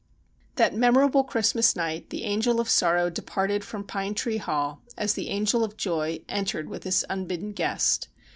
That memorable Christmas night the Angel of Sorrow de parted from Pine Tree Hall, as the Angel of Joy entered with this unbidden guest.